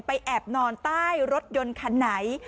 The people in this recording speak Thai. แอบนอนใต้รถยนต์คันไหน